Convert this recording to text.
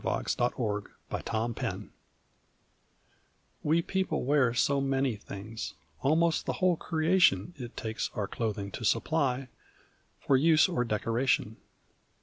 CLOTHES We people wear so many things, Almost the whole creation It takes our clothing to supply, For use or decoration.